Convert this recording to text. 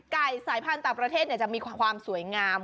สายพันธุ์ต่างประเทศจะมีความสวยงาม